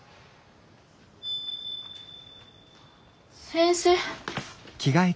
先生。